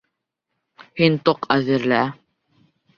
Һин тоҡ әҙерлә.